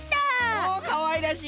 おかわいらしい！